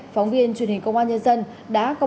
phóng viên truyền hình công an nhân dân đã có